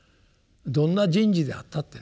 どんな人事であったってね